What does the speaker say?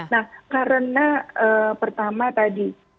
nah karena pertama tadi